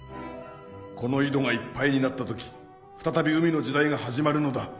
この井戸がいっぱいになった時再び海の時代が始まるのだ。